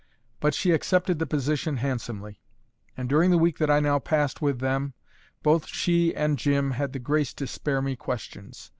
But she accepted the position handsomely; and during the week that I now passed with them, both she and Jim had the grace to spare me questions.